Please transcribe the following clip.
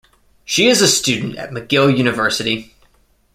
She is a student at McGill University.